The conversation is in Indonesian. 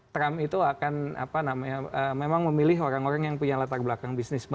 trump itu akan memang memilih orang orang yang punya latar belakang bisnis